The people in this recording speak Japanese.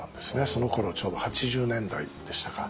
そのころちょうど８０年代でしたか。